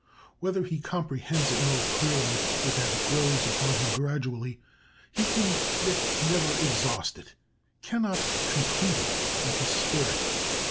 Whether he comprehends it more clearly or that it grows upon him gradually, he can yet never exhaust it, cannot complete it in his spirit.